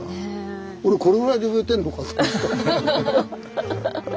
俺これぐらいで植えてるのかと思った。